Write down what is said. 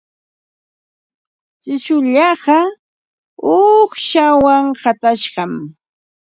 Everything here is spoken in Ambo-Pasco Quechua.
Tsullaaqa uuqshawan qatashqam.